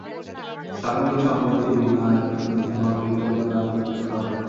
স্বামীর সম্মতি বিনা আইনত তিনি উহা বিক্রয় বা দান করিতে পারেন।